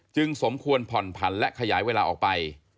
สมควรผ่อนผันและขยายเวลาออกไป